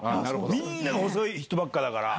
みんなが細い人ばっかだから。